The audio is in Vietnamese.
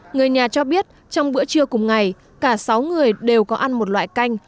người nhà cho biết trong bữa trưa cùng ngày cả sáu người đều có ăn một loại canh